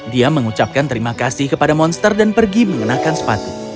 dia mengucapkan terima kasih kepada monster dan pergi mengenakan sepatu